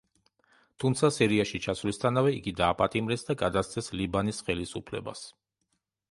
თუმცა სირიაში ჩასვლისთანავე იგი დააპატიმრეს და გადასცეს ლიბანის ხელისუფლებას.